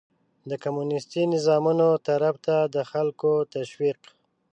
د کمونيستي نظامونو طرف ته د خلکو تشويق